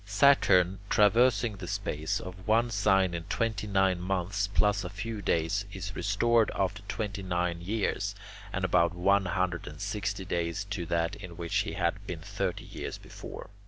Saturn, traversing the space of one sign in twenty nine months plus a few days, is restored after twenty nine years and about one hundred and sixty days to that in which he had been thirty years before.